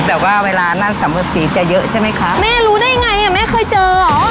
แต่ว่าเวลานั่นสัมภสีจะเยอะใช่ไหมคะแม่รู้ได้ไงอ่ะแม่เคยเจอเหรอ